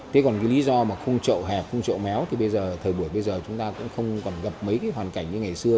thế còn lý do không trậu hẹp không trậu méo thì bây giờ thời buổi bây giờ chúng ta cũng không còn gặp mấy hoàn cảnh như ngày xưa